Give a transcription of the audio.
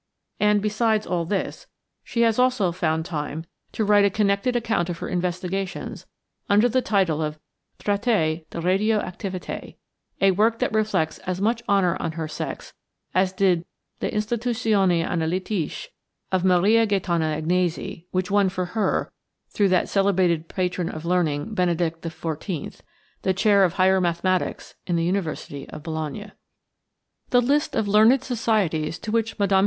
And besides all this, she has also found time to write a connected account of her investigations under the title of Traité de Radio Activité a work that reflects as much honor on her sex as did Le Instituzioni Analitiche of Maria Gaetana Agnesi, which won for her, through that celebrated patron of learning, Benedict XIV, the chair of higher mathematics in the University of Bologna. The list of learned societies to which Mme.